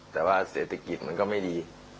แต่ว่าเศรษฐกิจมันก็ไม่ดี